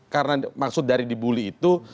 karena maksud dari dibully itu